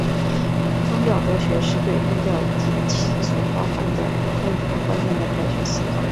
宗教哲学是对宗教以及其所包含的问题和观念的哲学思考。